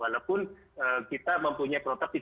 walaupun kita mempunyai prototip